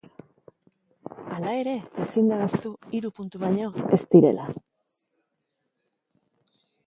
Hala ere, ezin da ahaztu hiru puntu baino ez direla.